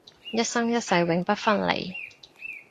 一生一世永不分離